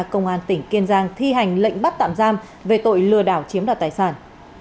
cơ quan tỉnh kiên giang thi hành lệnh bắt tạm giam về tội lừa đảo chiếm đặt tài sản